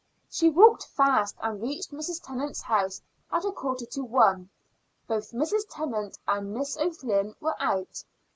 She walked fast and reached Mrs. Tennant's house at a quarter to one. Both Mrs. Tennant and Miss O'Flynn were out.